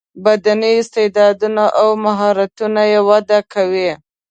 بدني استعداونه او مهارتونه یې وده کوي.